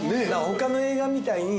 他の映画みたいに。